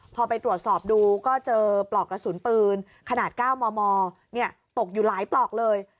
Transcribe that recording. พอไปตรวจสอบดูก็เจอปลอกกระสุนปืนขนาด๙มมตกอยู่หลายปลอกเลย